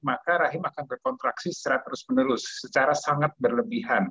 maka rahim akan berkontraksi secara terus menerus secara sangat berlebihan